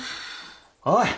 おい！